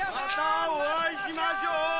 またお会いしましょう！